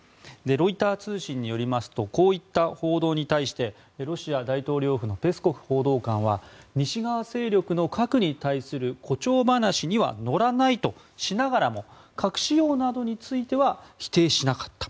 ロイター通信によりますとこういった報道に対してロシア大統領府のペスコフ報道官は西側勢力の核に対する誇張話には乗らないとしながらも核使用などについては否定しなかった。